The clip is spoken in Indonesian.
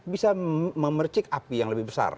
bisa memercik api yang lebih besar